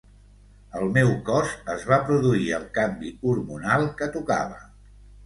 Al meu cos es va produir el canvi hormonal que tocava.